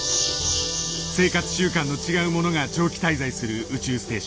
生活習慣の違う者が長期滞在する宇宙ステーション。